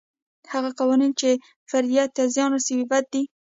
هغه قوانین چې فردیت ته زیان رسوي بد دي.